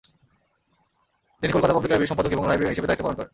তিনি কলকাতা পাবলিক লাইব্রেরীর সম্পাদক এবং লাইব্রেরিয়ান হিসেবে দায়িত্ব পালন করেন।